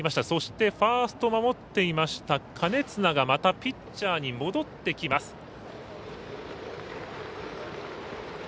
そして、ファーストを守っていました金綱がまたピッチャーに戻ってきます。